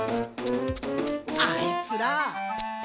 あいつら！